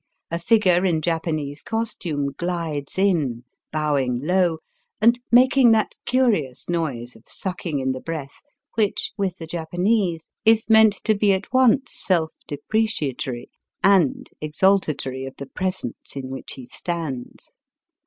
A figure in Japanese cos tume gUdes in, bowing low and making that curious noise of sucking in the breath which with the Japanese is meant to be at once self depreciatory and exaltatory of the presence in which he stands.